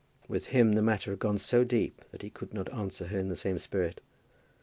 With him the matter had gone so deep that he could not answer her in the same spirit.